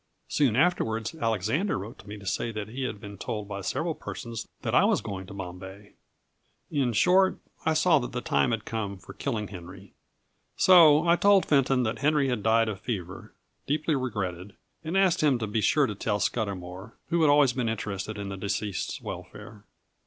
Soon afterwards Alexander wrote to me to say that he had been told by several persons that I was going to Bombay. In short, I saw that the time had come for killing Henry. So I told Fenton that Henry had died of fever, deeply regretted; and asked him to be sure to tell Scudamour, who had always been interested in the deceased's welfare.